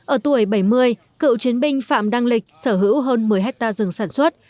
ở tuổi bảy mươi cựu chiến binh phạm đăng lịch sở hữu hơn một mươi hectare rừng sản xuất